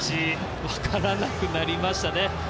分からなくなりましたね。